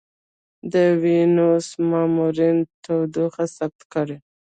د وینوس ماموریتونه تودوخه ثبت کړې.